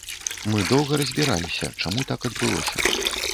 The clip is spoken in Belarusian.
Мы доўга разбіраліся, чаму так адбылося.